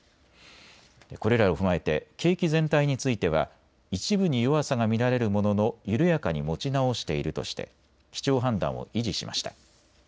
これらを踏まえて景気全体については一部に弱さが見られるものの緩やかに持ち直しているとして基調判断を維持しました。